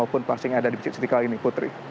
pun pasti ada di mesjid istiqlal ini putri